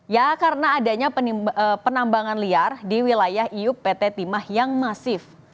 ya karena adanya penambangan liar di wilayah iup pt timah yang masif